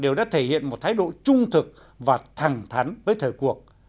đều đã thể hiện một thái độ trung thực và thẳng thắn với thời cuộc